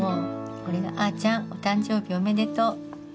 これが「あーちゃんお誕生日おめでとう！！！